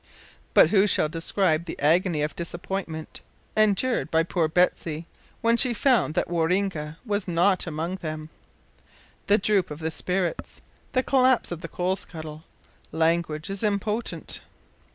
But who shall describe the agony of disappointment endured by poor Betsy when she found that Waroonga was not among them? the droop of the spirits, the collapse of the coal scuttle! Language is impotent.